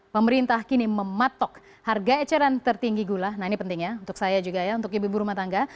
pemerintah kini mematok harga eceran tertinggi gula nah ini penting ya untuk saya juga ya untuk ibu ibu rumah tangga